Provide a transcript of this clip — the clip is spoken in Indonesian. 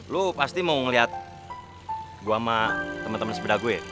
lo pasti mau ngeliat gue sama temen temen sepeda gue